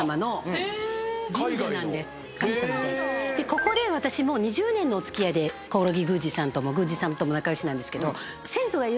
ここで私もう２０年のお付き合いで興梠宮司さんとも仲良しなんですけど。